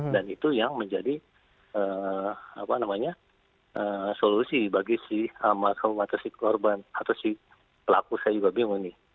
dan itu yang menjadi solusi bagi si amat atau si korban atau si pelaku saya juga bingung nih